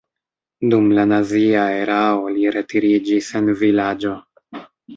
Dum la nazia erao li retiriĝis en vilaĝo.